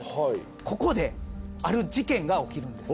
ここである事件が起きるんです。